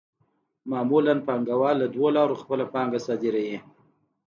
معمولاً پانګوال له دوو لارو خپله پانګه صادروي